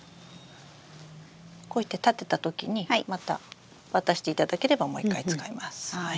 こうして立てたときにまた渡していただければもう一回使えます。